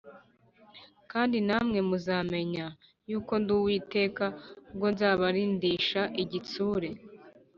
kandi namwe muzamenya yuko ndi Uwiteka, ubwo nzabarindisha igitsure